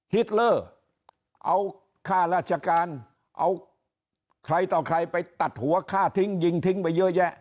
ฮิตเลอร์เอาค่าราชการเอาใครต่อใครไปตัดหัวฆ่าทิ้งยิงทิ้งไปเยอะแยะ